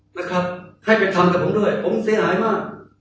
นะครับให้ไปทำกับผมด้วยผมเสียหายมาก